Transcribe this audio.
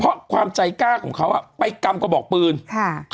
เพราะความใจกล้าของเขาอ่ะไปกำกระบอกปืนค่ะ